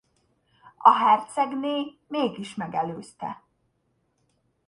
A hercegné mégis megelőzte.